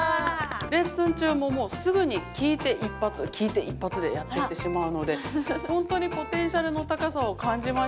レッスン中ももうすぐに聴いて一発聴いて一発でやってってしまうのでほんとにポテンシャルの高さを感じました。